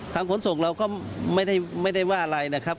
ขนส่งเราก็ไม่ได้ว่าอะไรนะครับ